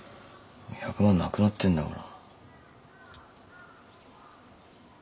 もう１００万なくなってんだから。